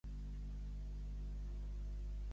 Tolkien en el que transcorren les seves novel·les.